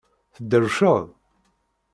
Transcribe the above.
Tedrewceḍ?